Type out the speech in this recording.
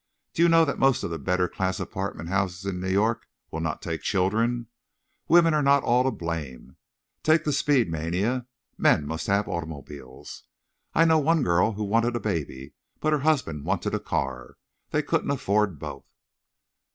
Do you know that most of the better class apartment houses in New York will not take children? Women are not all to blame. Take the speed mania. Men must have automobiles. I know one girl who wanted a baby, but her husband wanted a car. They couldn't afford both."